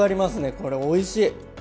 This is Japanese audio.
これおいしい！